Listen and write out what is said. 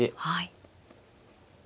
はい。